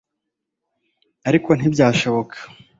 ariko ntibyashoboka